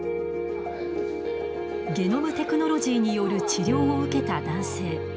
ゲノムテクノロジーによる治療を受けた男性。